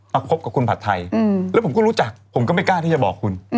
คบกับคุณผัดไทยแล้วผมก็รู้จักผมก็ไม่กล้าที่จะบอกคุณ